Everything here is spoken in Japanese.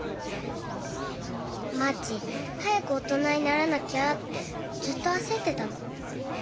まち早く大人にならなきゃってずっと焦ってたの。